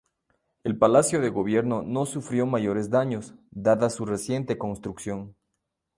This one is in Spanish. El Palacio de Gobierno no sufrió mayores daños, dada su reciente construcción.